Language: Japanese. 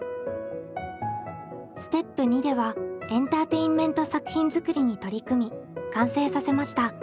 ステップ２ではエンターテインメント作品作りに取り組み完成させました。